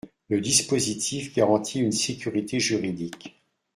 Le dispositif garantit une sécurité juridique.